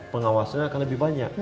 pengawasannya akan lebih banyak